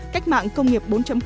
cách mạng công nghiệp bốn